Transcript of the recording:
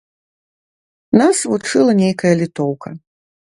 Нас вучыла нейкая літоўка.